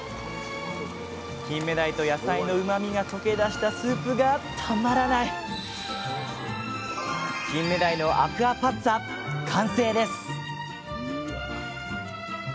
キンメダイと野菜のうまみが溶け出したスープがたまらないキンメダイのアクアパッツァ完成です！